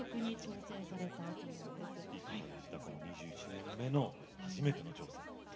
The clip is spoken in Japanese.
２１年目の初めての挑戦。